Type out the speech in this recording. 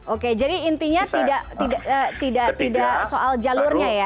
oke jadi intinya tidak soal jalurnya ya